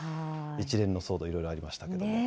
一連の騒動、いろいろありました